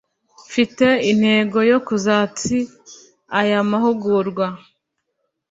Mfite intego yo kuzatsi aya mahugurwa